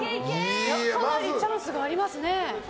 チャンスがありますね。